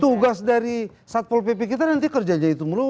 tugas dari satpol pp kita nanti kerjanya itu meluas